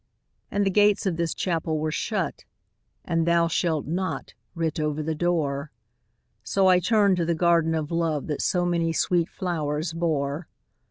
And the gates of this Chapel were shut, And 'Thou shalt not' writ over the door; So I turned to the Garden of Love That so many sweet flowers bore.